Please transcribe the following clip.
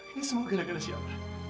ini semua gara gara siapa